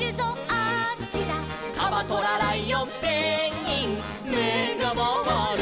「カバトラライオンペンギンめがまわる」